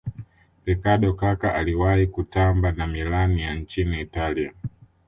ricardo kaka aliwahi kutamba na milan ya nchini italia